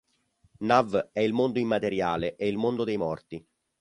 Nav è il mondo immateriale e il mondo dei morti.